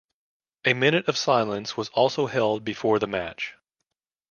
A minute of silence was also held before the match.